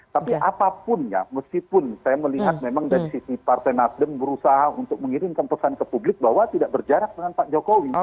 tapi apapun ya meskipun saya melihat memang dari sisi partai nasdem berusaha untuk mengirimkan pesan ke publik bahwa tidak berjarak dengan pak jokowi